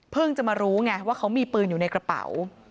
จะมารู้ไงว่าเขามีปืนอยู่ในกระเป๋า